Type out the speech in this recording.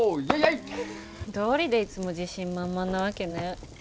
どうりでいつも自信満々なわけね。